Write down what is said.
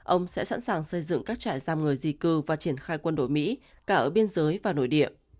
ông sẽ sẵn sàng xây dựng các trại giam người di cư và triển khai quân đội mỹ cả ở biên giới và nội địa